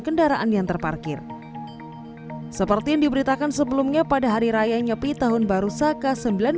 kendaraan yang terparkir seperti yang diberitakan sebelumnya pada hari raya nyepi tahun baru saka seribu sembilan ratus sembilan puluh